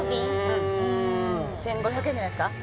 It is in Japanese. うんうん１５００円じゃないですか？